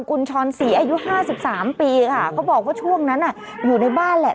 คุณชรศรีอายุห้าสิบสามปีค่ะเขาบอกว่าช่วงนั้นอ่ะอยู่ในบ้านแหละ